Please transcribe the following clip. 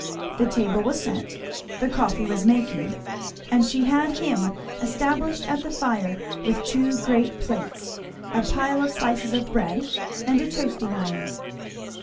The table was set; the coffee was making; and she had him established at the fire with two great plates, a pile of slices of bread, and a toasting iron.